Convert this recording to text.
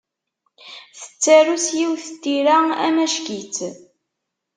Tettaru s yiwet n tira amack-itt.